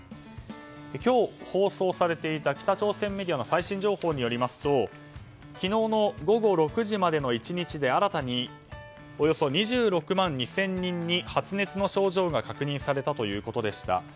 今日、放送されていた北朝鮮メディアの最新情報によりますと昨日の午後６時までの１日で新たにおよそ２６万２０００人に発熱の症状が確認されたということでした。